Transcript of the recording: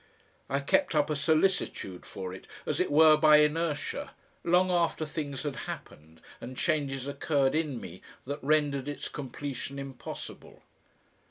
I kept up a solicitude for it, as it were by inertia, long after things had happened and changes occurred in me that rendered its completion impossible.